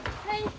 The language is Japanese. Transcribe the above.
はい。